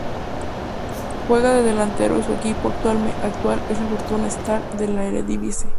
Juega de delantero y su equipo actual es el Fortuna Sittard de la Eredivisie.